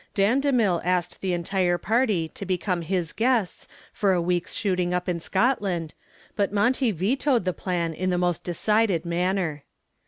Dan DeMille asked the entire party to become his guests for a week's shooting trip in Scotland, but Monty vetoed the plan in the most decided manner.